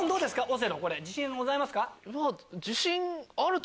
オセロ自信はございますか？